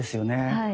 はい。